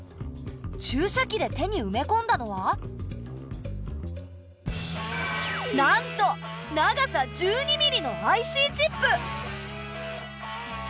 注射器で手にうめこんだのはなんと長さ１２ミリのＩＣチップ！